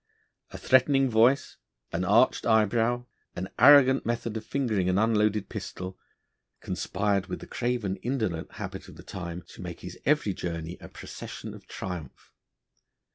A threatening voice, an arched eyebrow, an arrogant method of fingering an unloaded pistol, conspired with the craven, indolent habit of the time to make his every journey a procession of triumph.